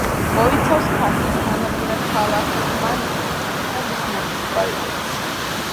მოიცავს ქართლის განაპირა ქალაქ დმანისს და მის მუნიციპალიტეტს.